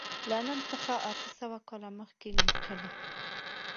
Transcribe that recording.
له نن څخه اته سوه کاله مخکې لیکلی.